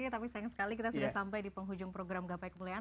tapi sayang sekali kita sudah sampai di penghujung program gapai kemuliaan